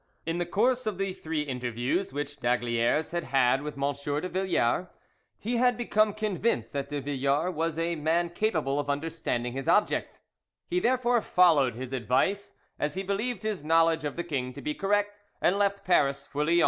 In the course of the three interviews which d'Aygaliers had had with M. de Villars, he had become convinced that de Villars was a man capable of understanding his object; he therefore followed his advice, as he believed his knowledge of the king to be correct, and left Paris for Lyons.